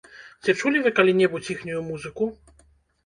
Ці чулі вы калі-небудзь іхнюю музыку?